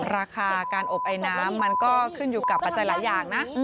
ราคาการอบไอน้ำมันก็ขึ้นอยู่กับปัจจัยหลายอย่างนะ